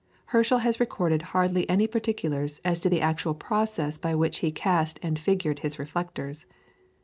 Herschel has recorded hardly any particulars as to the actual process by which he cast and figured his reflectors.